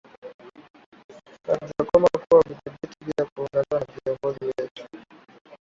haijakomaa kuweza kujidhibiti bila ya kuingiliwa na viongozi wetu